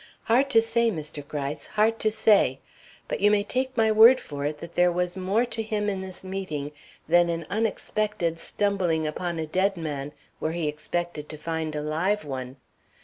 Hard to say, Mr. Gryce, hard to say; but you may take my word for it that there was more to him in this meeting than an unexpected stumbling upon a dead man where he expected to find a live one.